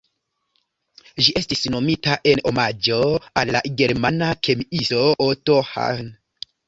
Ĝi estis nomita en omaĝo al la germana kemiisto Otto Hahn.